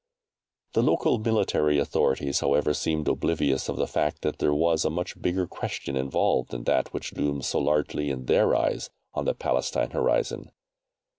The local Military Authorities, however, seemed oblivious of the fact that there was a much bigger question involved than that which loomed so largely in their eyes on the Palestine horizon.